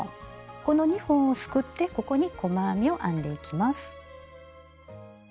この２本をすくってここに細編みを編んでいきます。